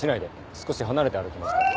少し離れて歩きますから。